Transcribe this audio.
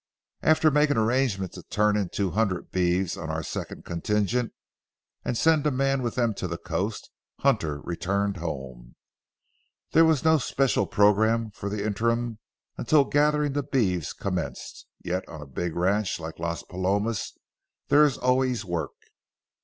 After making arrangements to turn in two hundred beeves on our second contingent, and send a man with them to the coast, Hunter returned home. There was no special programme for the interim until gathering the beeves commenced, yet on a big ranch like Las Palomas there is always work.